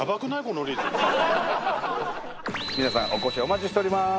皆さんお越しをお待ちしております！